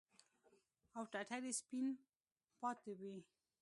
او ټټر يې سپين پاته وي.